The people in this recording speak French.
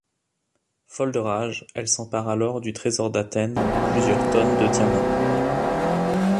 Folle de rage, elle s'empare alors du trésor d'Athènes, plusieurs tonnes de diamants.